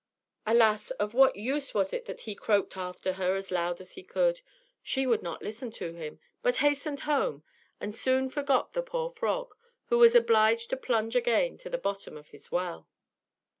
Alas! of what use was it that he croaked after her as loud as he could. She would not listen to him, but hastened home, and soon forgot the poor frog, who was obliged to plunge again to the bottom of his well.